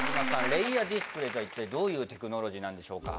レイアディスプレイとは一体どういうテクノロジーなんでしょうか？